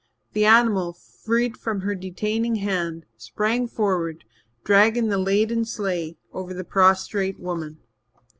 The animal, freed from her detaining hand, sprang forward, dragging the laden sleigh over the prostrate woman.